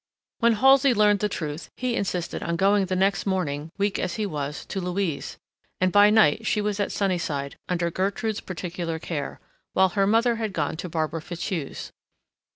When Halsey learned the truth, he insisted on going the next morning, weak as he was, to Louise, and by night she was at Sunnyside, under Gertrude's particular care, while her mother had gone to Barbara Fitzhugh's.